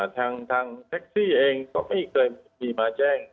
ทางแท็กซี่เองก็ไม่เคยมีมาแจ้ง